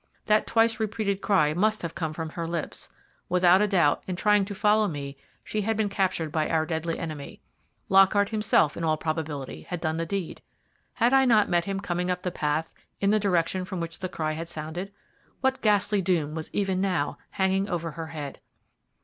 That twice repeated cry must have come from her lips. Without doubt, in trying to follow me she had been captured by our deadly enemy. Lockhart himself, in all probability, had done the deed. Had I not met him coming up the path in the direction from which the cry had sounded? What ghastly doom was even now hanging over her head?